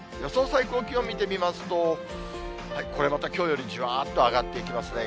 最高気温見てみますと、これまたきょうよりじわーっと上がってきますね。